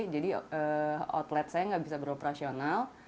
jadi outlet saya nggak bisa beroperasional